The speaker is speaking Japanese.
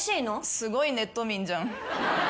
すごいネット民じゃん。